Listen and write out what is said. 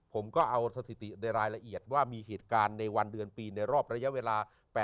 ผมก็เอาสถิติในรายละเอียดว่ามีเหตุการณ์ในวันเดือนปีในรอบระยะเวลา